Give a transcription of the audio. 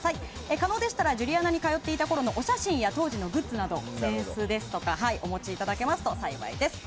可能でしたら、ジュリアナに通っていたころのお写真や当時のグッズ、扇子などを持参していただけますと幸いです。